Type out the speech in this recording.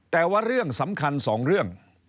แต่ว่าเรื่องสำคัญสองเรื่อง